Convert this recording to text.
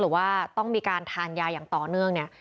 หรือว่าต้องมีการทานยาอย่างต่อเนื่องเนี่ย